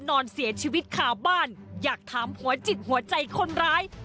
นอนเสียชีวิตคาบ้านอยากถามหัวจิตหัวใจคนร้าย